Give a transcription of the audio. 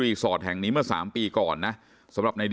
พี่สาวต้องเอาอาหารที่เหลืออยู่ในบ้านมาทำให้เจ้าหน้าที่เข้ามาช่วยเหลือ